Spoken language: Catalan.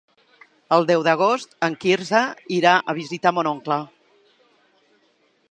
El deu d'agost en Quirze irà a visitar mon oncle.